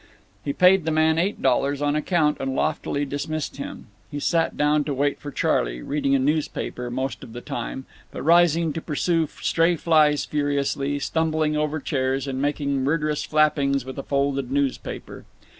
He paid the man eight dollars on account and loftily dismissed him. He sat down to wait for Charley, reading a newspaper most of the time, but rising to pursue stray flies furiously, stumbling over chairs, and making murderous flappings with a folded newspaper.